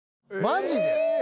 マジで？